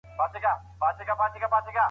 هسي نه چي زه در پسې ټولي توبې ماتي کړم